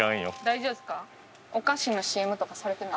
大丈夫ですか？